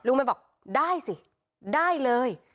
แม่บอกได้สิได้เลย